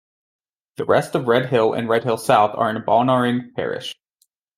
The rest of Red Hill and Red hill South are in Balnarring parish.